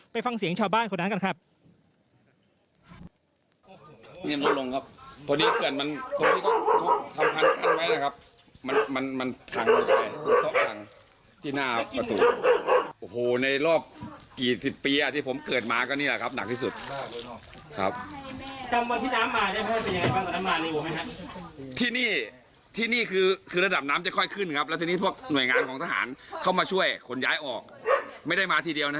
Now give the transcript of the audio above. ฟังเสียงชาวบ้านคนนั้นกันครับ